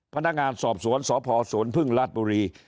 พนักงานสอบสวนสพสวนพึ่งราชบุรี